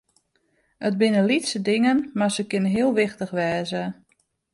It binne lytse dingen, mar se kinne heel wichtich wêze.